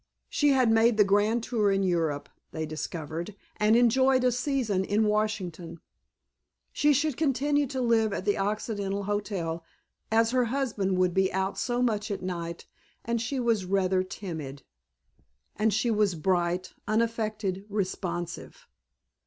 She had made the grand tour in Europe, they discovered, and enjoyed a season in Washington. She should continue to live at the Occidental Hotel as her husband would be out so much at night and she was rather timid. And she was bright, unaffected, responsive.